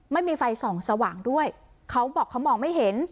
ไม่มีไฟส่องสว่างด้วยเขาบอกเขามองไม่เห็น